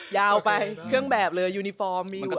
ยาวไปเครื่องแบบเลยยูนิฟอร์มมีอยู่